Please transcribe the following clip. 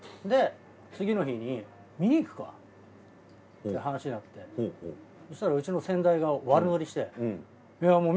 で次の日に見にいくか？って話になってそしたらうちの先代が悪ノリしていや